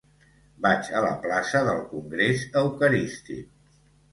Vaig a la plaça del Congrés Eucarístic.